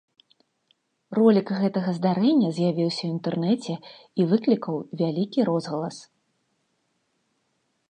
Ролік гэтага здарэння з'явіўся ў інтэрнэце і выклікаў вялікі розгалас.